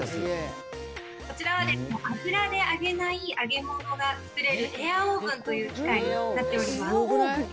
こちらは油で揚げない揚げ物が作れるエアーオーブンという機械になっております。